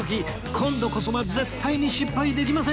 今度こそは絶対に失敗できません！